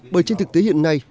bởi trên thực tế hiện nay